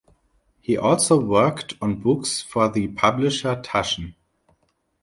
He also worked on books for the publisher Taschen.